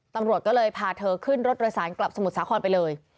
ตำรวจก็เลยพาเธอขึ้นรถโดยสารกลับสมุทรสาครไปเลย